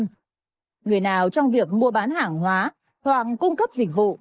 người nào trong việc mua bán hàng hóa hoặc cung cấp dịch vụ